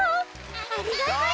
ありがとう！